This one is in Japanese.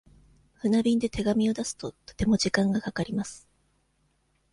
船便で手紙を出すと、とても時間がかかります。